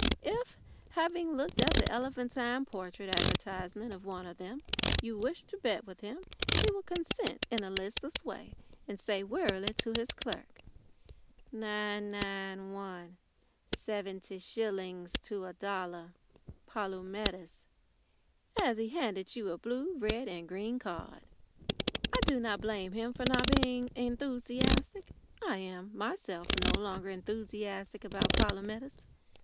If, having looked at the elephantine portrait advertisement of one of them, you wished to bet with him, he would consent in a listless way, and say wearily to his clerk: "Nine nine one, seventy shillings to a dollar Polumetis," as he handed you a blue, red, and green card. I do not blame him for not being enthusiastic. I am myself no longer enthusiastic about Polumetis.